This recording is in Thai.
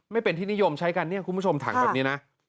ไม่เป็นที่นิยมใช้กันเนี่ยคุณผู้ชมถังแบบนี้นะ